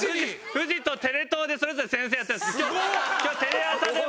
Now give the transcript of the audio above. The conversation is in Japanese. フジとテレ東でそれぞれ先生やってるんですけど今日テレ朝でも。